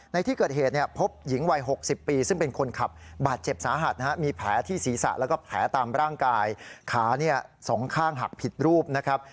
ในที่เกิดเหตุพบหญิงวัย๖๐ปีซึ่งเป็นคนขับบาดเจ็บสาหัสมีแผลที่ศีรษะแล้วก็แผลตามร่างกายขาสองข้างหักผิดรูปนะครับ